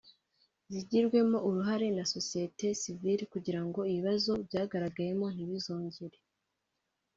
zigirwemo uruhare na Sosiyete Sivile kugira ngo ibibazo byagaragayemo ntibizongere